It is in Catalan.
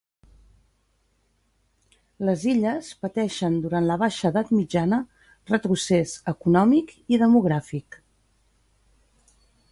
Les Illes pateixen durant la Baixa Edat Mitjana retrocés econòmic i demogràfic.